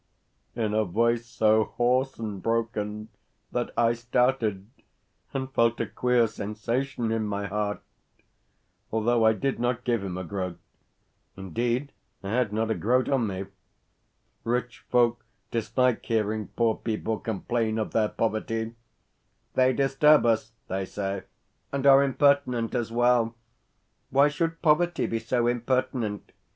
in a voice so hoarse and broken that I started, and felt a queer sensation in my heart, although I did not give him a groat. Indeed, I had not a groat on me. Rich folk dislike hearing poor people complain of their poverty. "They disturb us," they say, "and are impertinent as well. Why should poverty be so impertinent?